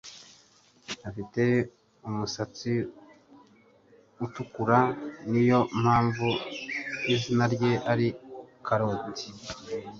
Afite umusatsi utukura. Niyo mpamvu izina rye ari Karoti.